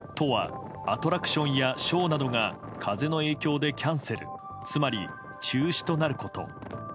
風キャンとはアトラクションやショーなどが風の影響でキャンセルつまり中止となること。